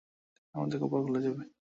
তাহলে আমাদের কপাল খুলে যাবে।